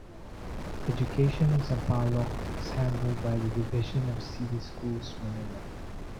Education in Sampaloc is handled by the Division of City Schools - Manila.